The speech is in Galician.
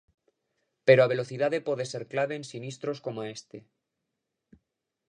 Pero a velocidade pode ser clave en sinistros coma este.